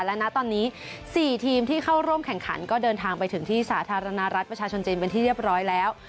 และณตอนนี้๔ทีมที่เข้าร่วมแข่งขันก็เดินทางไปถึงที่สาธารณรัฐประชาชนจีนเป็นที่เรียบร้อยแล้ว